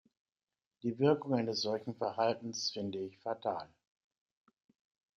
Die Wirkung eines solchen Verhaltens finde ich fatal.